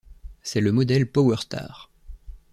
C'est le modèle Powerstar.